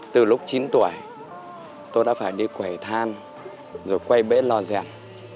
từ lúc chín tuổi tôi đã phải đi quẩy than rồi quay bế lò rèn